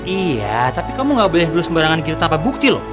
iya tapi kamu gak boleh dulu sembarangan gitu tanpa bukti loh